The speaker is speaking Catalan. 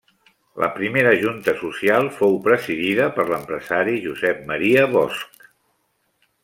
La primera junta social fou presidida per l'empresari Josep Maria Bosch.